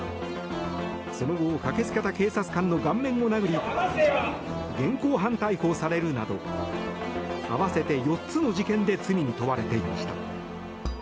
その後、駆け付けた警察官の顔面を殴り現行犯逮捕されるなど合わせて４つの事件で罪に問われていました。